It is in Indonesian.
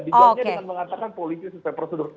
dijawabnya dengan mengatakan polisi sesuai prosedur